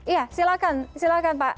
ya silahkan silahkan pak